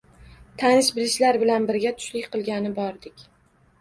Tanish-bilishlar bilan birga tushlik qilgani bordik.